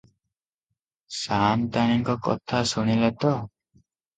ସାଆନ୍ତାଣୀଙ୍କ କଥା ଶୁଣିଲେ ତ?